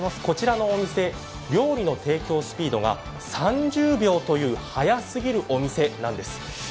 こちらのお店、料理の提供スピードが３０秒という早すぎるお店なんです。